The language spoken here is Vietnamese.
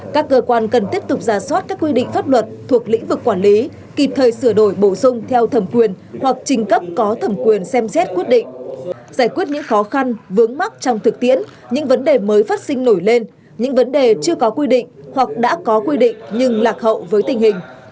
các cơ quan cần tiếp tục ra soát các quy định pháp luật thuộc lĩnh vực quản lý kịp thời sửa đổi bổ sung theo thẩm quyền hoặc trình cấp có thẩm quyền xem xét quyết định giải quyết những khó khăn vướng mắc trong thực tiễn những vấn đề mới phát sinh nổi lên những vấn đề chưa có quy định hoặc đã có quy định nhưng lạc hậu với tình hình